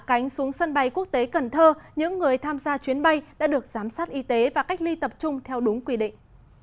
hạ cánh xuống sân bay quốc tế cần thơ những người tham gia chuyến bay đã được giám sát y tế và cách ly tập trung theo đúng quy định